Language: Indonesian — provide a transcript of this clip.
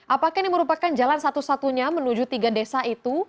apakah ini merupakan jalan satu satunya menuju tiga desa itu